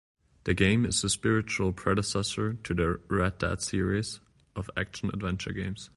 The game is a spiritual predecessor to the "Red Dead" series of action-adventure games.